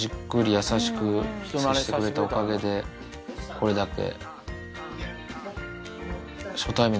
これだけ。